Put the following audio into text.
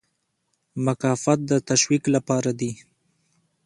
مکافات د تشویق لپاره دي